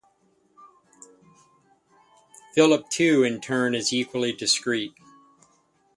Philip too in turn is equally discrete.